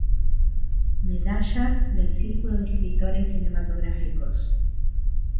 Medallas del Círculo de Escritores Cinematográficos